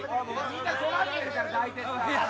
みんな困ってるから大鉄さん